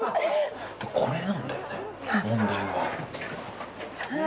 これなんだよね、問題は。